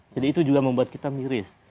jadi itu juga membuat kita miris